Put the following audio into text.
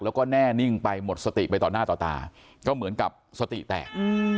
แล้วก็แน่นิ่งไปหมดสติไปต่อหน้าต่อตาก็เหมือนกับสติแตก